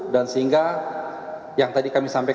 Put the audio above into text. dan sehingga yang tadi kami sampaikan